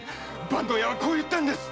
板東屋はこう言ったんです